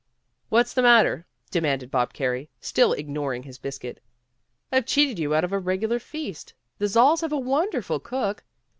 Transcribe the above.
"What's the matter?" demanded Bob Carey, still ignoring his biscuit. "I've cheated you out of a regular feast. The Zalls have a wonderful cook.